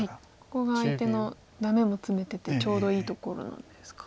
ここが相手のダメもツメててちょうどいいところなんですか。